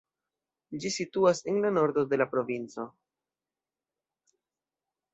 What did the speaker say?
Ĝi situas en la nordo de la provinco.